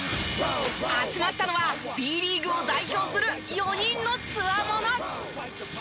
集まったのはＢリーグを代表する４人のつわもの。